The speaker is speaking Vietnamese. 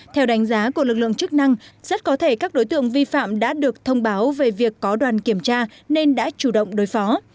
theo đánh giá của lực lượng chức năng rất có thể các đối tượng vi phạm đã được thông báo về việc có đoàn kiểm tra nên đã chủ động đối phó